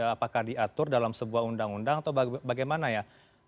apakah diatur dalam sebuah undang undang atau bagaimana ya